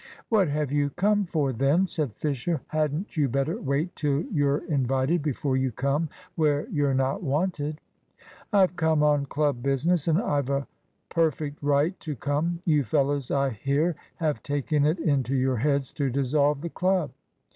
"What have you come for, then?" said Fisher. "Hadn't you better wait till you're invited before you come where you're not wanted?" "I've come on club business, and I've a perfect right to come. You fellows, I hear, have taken it into your heads to dissolve the club."